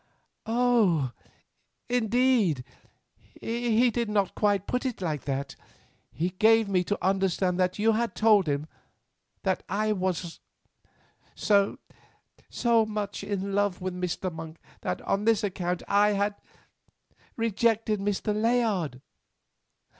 "Oh! indeed; he did not put it quite like that. He gave me to understand that you had told him—that I was—so—so much in love with Mr. Monk that on this account I had—rejected Mr. Layard."